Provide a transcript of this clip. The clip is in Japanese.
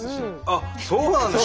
あっそうなんですか？